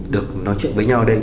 được nói chuyện với nhau đây